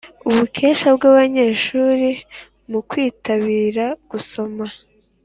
ubukesha bw’abanyeshuri mu kwitabira gusoma